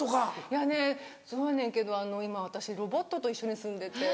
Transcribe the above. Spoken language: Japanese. いやねそやねんけど今私ロボットと一緒に住んでて。